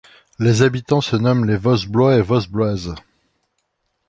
Les habitants se nomment les Vosblois et Vosbloises.